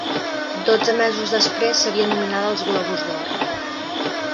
Dotze mesos després seria nominada als Globus d'Or.